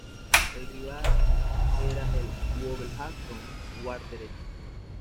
El rival era el Wolverhampton Wanderers.